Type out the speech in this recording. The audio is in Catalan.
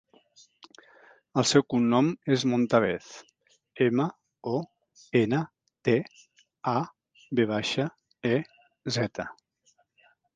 El seu cognom és Montavez: ema, o, ena, te, a, ve baixa, e, zeta.